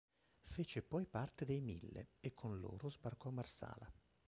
Fece poi parte dei Mille e con loro sbarcò a Marsala.